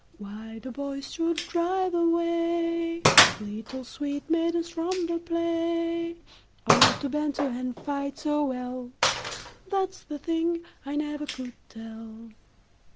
Why the boys should drive away Little sweet maidens from the play, Or love to banter and fight so well, That 's the thing I never could tell.